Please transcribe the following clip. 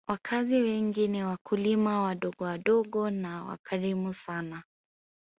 Wakazi wengi ni wakulima wadogowadogo na wakarimu sana